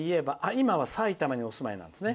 今は埼玉にお住まいなんですね。